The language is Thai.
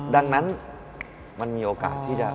ดังนั้นมันมีโอกาสที่จะ